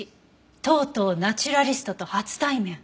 「とうとうナチュラリストと初対面！」